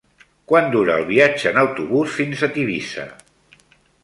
Quant dura el viatge en autobús fins a Tivissa?